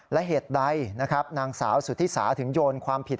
และเหตุใดนะครับนางสาวสุธิสาถึงโยนความผิด